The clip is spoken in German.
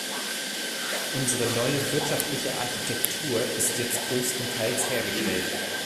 Unsere neue wirtschaftliche Architektur ist jetzt größtenteils hergestellt.